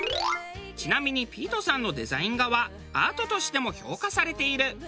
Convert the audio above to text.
ちなみにピィトさんのデザイン画はアートとしても評価されている。